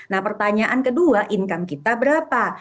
nah pertanyaan kedua income kita berapa